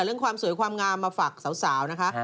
เรื่องความสวยความงามมาฝากสาวนะคะ